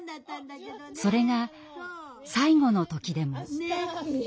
それが最期の時でも。